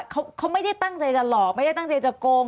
เขาไม่ได้ตั้งใจจะหลอกไม่ได้ตั้งใจจะโกง